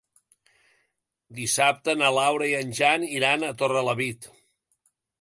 Dissabte na Laura i en Jan iran a Torrelavit.